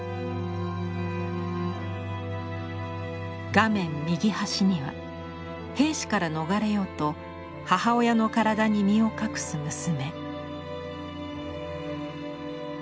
画面右端には兵士から逃れようと母親の体に身を隠す娘。